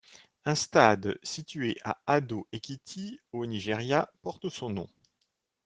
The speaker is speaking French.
Un stade situé à Ado Ekiti au Nigeria porte son nom.